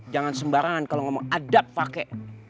jangan sembarangan kalau ngomong adat pake